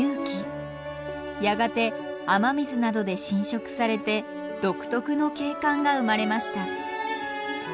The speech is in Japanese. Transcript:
やがて雨水などで浸食されて独特の景観が生まれました。